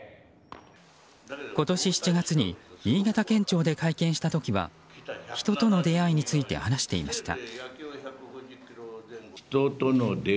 今年７月に新潟県庁で会見した時は人との出会いについて話していました。